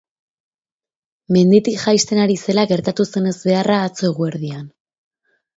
Menditik jaisten ari zela gertatu zen ezbeharra atzo eguerdian.